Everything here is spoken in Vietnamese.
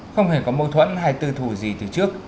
không hề có mâu thuẫn hay tư thù gì từ trước